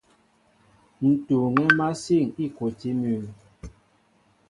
Ní tuuŋɛ̄ másîn îkwotí mʉ́ʉ́.